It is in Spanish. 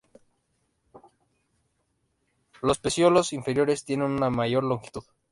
Los pecíolos inferiores tienen una mayor longitud.